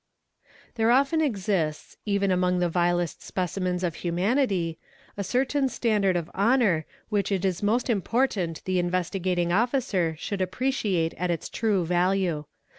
| Re There often exists, even among the vilest specimens of humanity, 7 certain standard of honour which it is most important the Investigating Officer should appreciate at its true value.